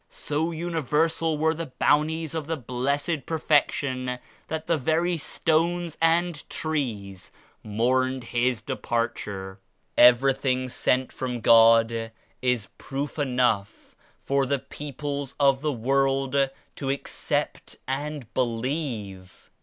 So uni versal were the Bounties of the Blessed Perfec tion that the very stones and trees mourned His Departure. Everything sent from God is proof enough for the people of the world to accept and believe.